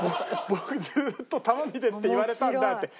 「僕ずっと球見てって言われたんだ」って。